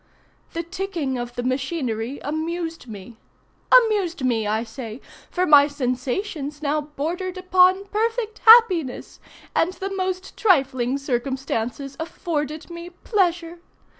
The ticking of the machinery amused me. Amused me, I say, for my sensations now bordered upon perfect happiness, and the most trifling circumstances afforded me pleasure.